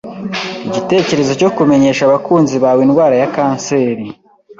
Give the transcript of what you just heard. Igitekerezo cyo kumenyesha abakunzi bawe indwara ya kanseri